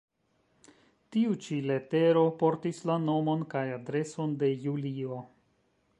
Tiu ĉi letero portis la nomon kaj adreson de Julio.